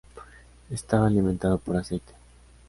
Estaba alimentado por aceite.